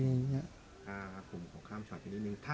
ถ้าจะเปิดโอกาสให้